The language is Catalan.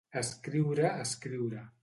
Escriure, escriure.